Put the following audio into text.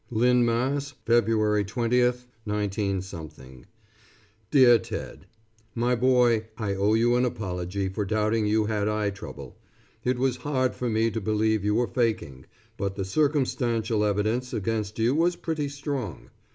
LYNN, MASS., _February 20, 19 _ DEAR TED: My boy, I owe you an apology for doubting you had eye trouble. It was hard for me to believe you were faking; but the circumstantial evidence against you was pretty strong.